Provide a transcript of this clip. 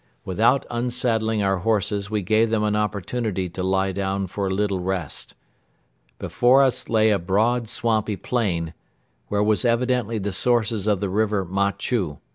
Without unsaddling our horses, we gave them an opportunity to lie down for a little rest. Before us lay a broad, swampy plain, where was evidently the sources of the river Ma chu.